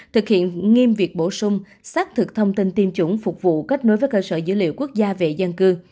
thực hiện nghiêm việc bổ sung xác thực thông tin tiêm chủng phục vụ kết nối với cơ sở dữ liệu quốc gia về dân cư